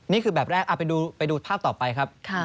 นี่คือแบบแรกไปดูภาพต่อไปครับ